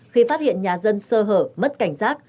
khi phát hiện nhà dân sơ hở mất cảnh giác